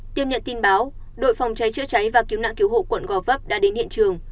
tiếp nhận tin báo đội phòng cháy chữa cháy và cứu nạn cứu hộ quận gò vấp đã đến hiện trường